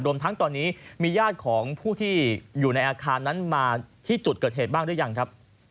รวมทั้งตอนนี้มีญาติของผู้ที่อยู่ในอาคารนั้นมาที่จุดเกิดเหตุบ้างหรือยังครับ